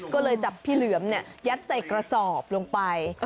ก็เลยจับพี่เหลือมยัดใส่กระสอบลงไป